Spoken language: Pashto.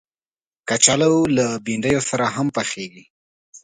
کچالو له بنډیو سره هم پخېږي